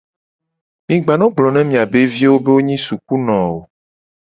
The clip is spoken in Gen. Mi gba no gblona miabe viwo gbede be wo nyi sukuno o.